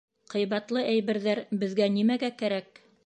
Ҡыйбатлы әйберҙәр беҙгә нимәгә кәрәк?